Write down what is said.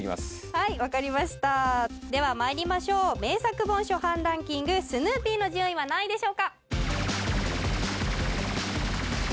はい分かりましたではまいりましょう名作本初版ランキングスヌーピーの順位は何位でしょうか？